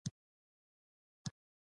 د ګاونډي کور ته د سترګو ساتنه وکړه